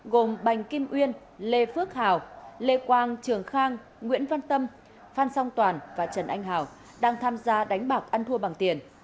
gồm bành kim uyên lê phước hào lê quang trường khang nguyễn văn tâm phan song toàn và trần anh hào đang tham gia đánh bạc ăn thua bằng tiền